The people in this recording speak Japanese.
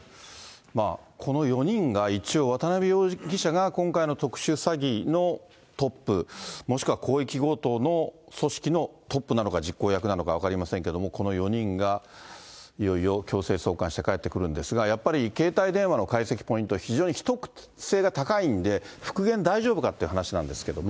この４人が一応、渡辺容疑者が、今回の特殊詐欺のトップ、もしくは広域強盗の組織のトップなのか実行役なのか分かりませんけれども、この４人がいよいよ強制送還して帰ってくるんですが、やっぱり携帯電話の解析ポイント、非常に秘匿性が高いんで、復元大丈夫かという話なんですけれども。